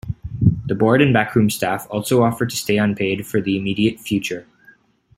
The board and backroom staff also offered to stay unpaid for the immediate future.